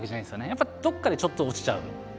やっぱりどっかでちょっと落ちちゃう。